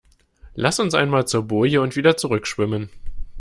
Lass uns einmal zur Boje und wieder zurück schwimmen.